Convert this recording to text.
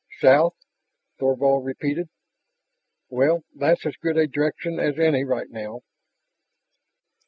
"South," Thorvald repeated. "Well, that's as good a direction as any right now."